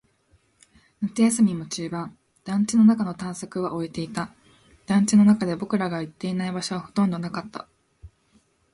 夏休みも中盤。団地の中の探索は終えていた。団地の中で僕らが行っていない場所はほとんどなかった。